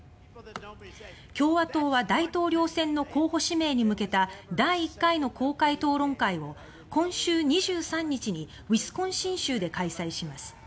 共和党は大統領選の候補指名に向けた第１回の公開討論会を今週２３日にウィスコンシン州で開催します。